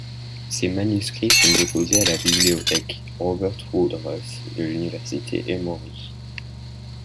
Ses manuscrits sont déposés à la bibliothèque Robert Woodruff de l'Université Emory.